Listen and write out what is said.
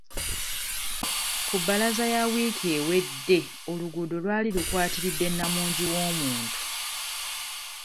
Ku bbalaza ya wiiki ewedde oluguudo lwali lukwatiridde nnamungi w'omuntu.